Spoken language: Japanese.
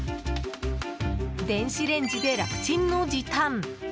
電子レンジで楽ちんの時短。